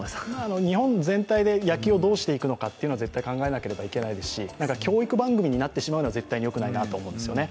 日本全体で野球をどうしていくのかというのは絶対考えなきゃいけないし、教育番組になってしまうのは絶対によくないと思うんですよね。